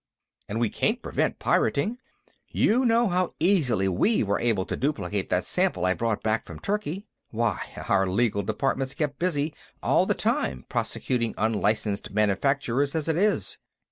And we can't prevent pirating. You know how easily we were able to duplicate that sample I brought back from Turkey. Why, our legal department's kept busy all the time prosecuting unlicensed manufacturers as it is."